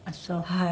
はい。